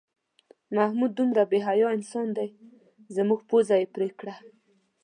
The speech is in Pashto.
محمود دومره بې حیا انسان دی زموږ پوزه یې پرې کړه.